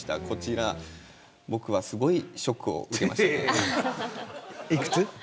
こちら、僕はすごい幾つ。